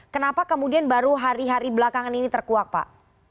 kenapa kemudian baru hari hari belakangan ini terkuak pak